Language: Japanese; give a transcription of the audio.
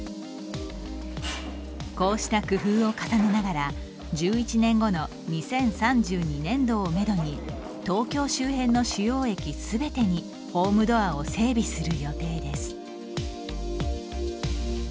こうした工夫を重ねながら１１年後の２０３２年度をめどに東京周辺の主要駅すべてにホームドアを整備する予定です。